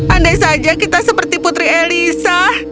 andai saja kita seperti putri elisa